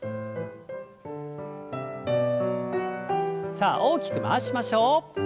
さあ大きく回しましょう。